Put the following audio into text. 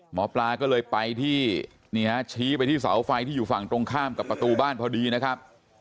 หมอปลาก็เลยไปที่นี่ฮะชี้ไปที่เสาไฟที่อยู่ฝั่งตรงข้ามกับประตูบ้านพอดีนะครับ